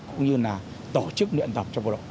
cũng như là tổ chức luyện tập cho bộ đội